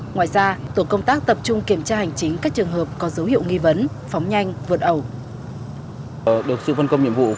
ngoài ra tổ công tác tập trung kiểm tra hành chính các trường hợp có dấu hiệu nghi vấn phóng nhanh vượt ẩu